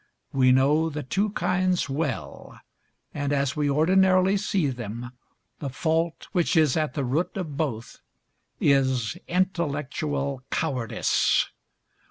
We know the two kinds well, and as we ordinarily see them, the fault which is at the root of both is intellectual cowardice.